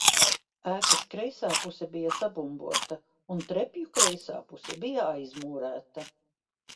Ēkas kreisā puse bija sabumbota un trepju kreisā puse bija aizmūrēta.